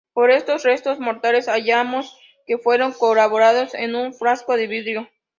Por estos restos mortales hallados que fueron colocados en un frasco de vidrio.